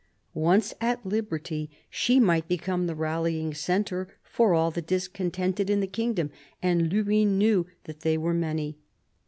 Once at liberty, she might become the rallying centre for all the discontented in the kingdom, and Luynes knew that they were many.